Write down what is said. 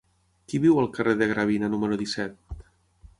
Qui viu al carrer de Gravina número disset?